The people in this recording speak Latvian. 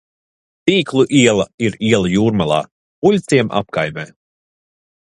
Tīklu iela ir iela Jūrmalā, Buļļuciema apkaimē.